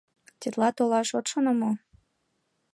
Тетла толаш от шоно мо?